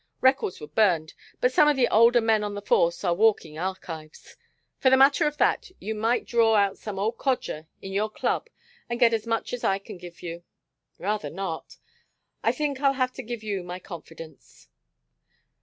Records were burned, but some of the older men on the force are walking archives. For the matter of that you might draw out some old codger in your club and get as much as I can give you " "Rather not! I think I'll have to give you my confidence."